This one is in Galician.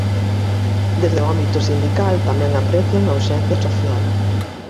Desde o ámbito sindical tamén aprecian a urxencia social.